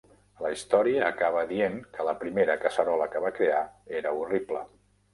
La història acaba dient que la primera casserola que va crear era horrible.